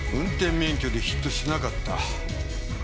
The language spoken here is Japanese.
運転免許でヒットしなかった。